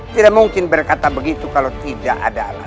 tidak mungkin berkata begitu kalau tidak ada alasan